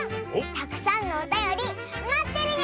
たくさんのおたよりまってるよ！